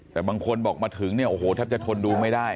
แต่บางคนบอกมาถึงเนี่ยโอ้โหแทบจะทนดูไม่ได้